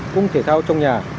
cung thể thao trong nhà